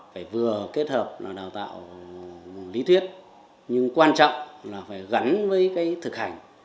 phải vừa kết hợp là đào tạo lý thuyết nhưng quan trọng là phải gắn với cái thực hành